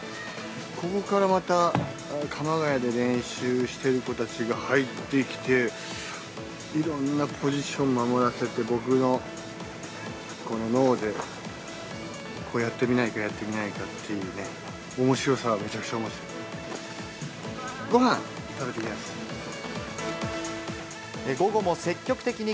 ここからまた鎌ケ谷で練習している子たちが入ってきて、いろんなポジション守らせて、僕のこの脳でこうやってみないか、ああやってみないかっていうね、おもしろさはめちゃくちゃおもしろい。